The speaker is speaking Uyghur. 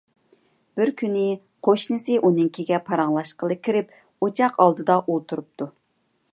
بىر كۈنى قوشنىسى ئۇنىڭكىگە پاراڭلاشقىلى كىرىپ، ئوچاق ئالدىدا ئولتۇرۇپتۇ.